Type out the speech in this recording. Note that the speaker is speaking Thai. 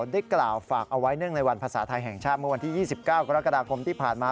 ได้กล่าวฝากเอาไว้เนื่องในวันภาษาไทยแห่งชาติเมื่อวันที่๒๙กรกฎาคมที่ผ่านมา